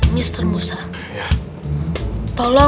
di sekitarnya gelap